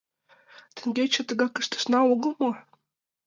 Теҥгече тыгак ыштышна огыл мо?